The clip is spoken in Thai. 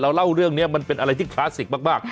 เล่าเรื่องนี้มันเป็นอะไรที่คลาสสิกมาก